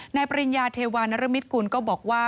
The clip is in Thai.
ปริญญาเทวานรมิตกุลก็บอกว่า